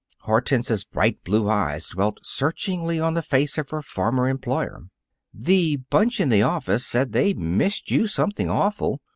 Hortense's bright blue eyes dwelt searchingly on the face of her former employer. "The bunch in the office said they missed you something awful."